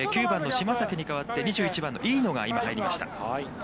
９番の島崎に代わって、２１番の飯野が今、入りました。